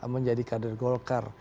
menjadi kader golkar